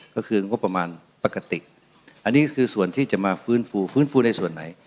ก็คืองบประมาณปกติอันนี้ก็คือส่วนที่จะมาฟื้นฟูฟื้นฟูในส่วนไหน